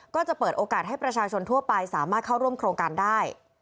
ก็จะเปิดโอกาสให้ประชาชนทั่วไปสามารถเข้าร่วมโครงการได้